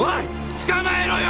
捕まえろよ。